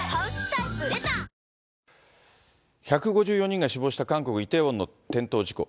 １５４人が死亡した韓国・イテウォンの転倒事故。